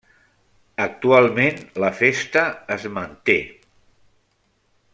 Actualment la festa es manté.